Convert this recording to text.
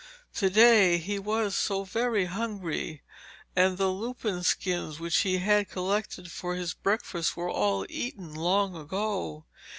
To day he was so very hungry, and the lupin skins which he had collected for his breakfast were all eaten long ago.